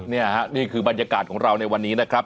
นี่ค่ะนี่คือบรรยากาศของเราในวันนี้นะครับ